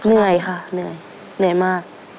เหนื่อยค่ะเหนื่อยเหนื่อยมาก